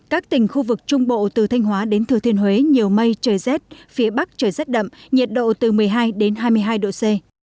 các tỉnh khu vực trung bộ từ thanh hóa đến thừa thiên huế nhiều mây trời rét phía bắc trời rét đậm nhiệt độ từ một mươi hai đến hai mươi hai độ c